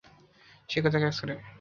সে কোথায় কাজ করে?